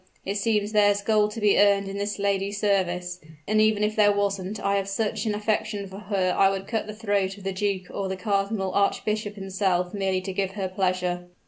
It seems there's gold to be earned in this lady's service: and even if there wasn't I have such an affection for her I would cut the throat of the duke or the cardinal archbishop himself merely to give her pleasure."